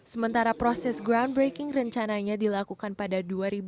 sementara proses groundbreaking rencananya dilakukan pada dua ribu dua puluh